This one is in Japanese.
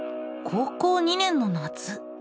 高校２年の夏。